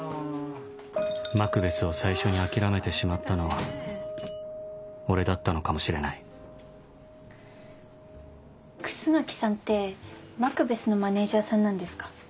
マクベスを最初に諦めてしまったのは俺だったのかもしれない楠木さんってマクベスのマネジャーさんなんですか？